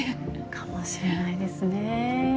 かもしれないですね。